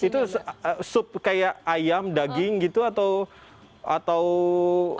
itu sup kayak ayam daging gitu atau